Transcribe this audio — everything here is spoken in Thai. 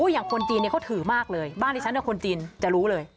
อย่างคนจีนเขาถือมากเลยบ้านที่ฉันคนจีนจะรู้เลย